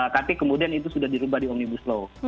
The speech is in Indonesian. tapi kemudian itu sudah diubah di omnibus loh